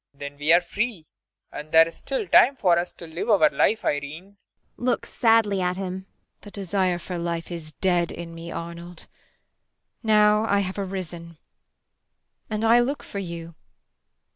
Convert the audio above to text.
Then we are free and there is still time for us to live our life, Irene. IRENE. [Looks sadly at him.] The desire for life is dead in me, Arnold. Now I have arisen. And I look for you.